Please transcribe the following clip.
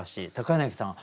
柳さん